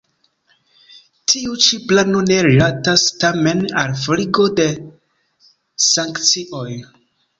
Tiu ĉi plano ne rilatas tamen al forigo de sankcioj.